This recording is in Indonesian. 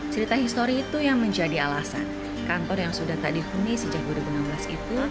cerita histori itu yang menjadi alasan kantor yang sudah tak dihuni sejak dua ribu enam belas itu